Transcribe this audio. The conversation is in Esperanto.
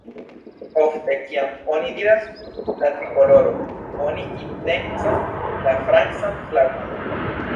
Ofte kiam oni diras "la trikoloro", oni intencas la francan flagon.